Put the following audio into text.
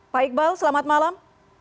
pak iqbal selamat malam